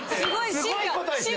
すごいことですよ！